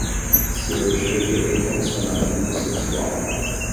Cirurgia de recondicionamento sexual